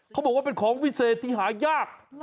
เขาบอกว่าเป็นของวิเศษที่หายาก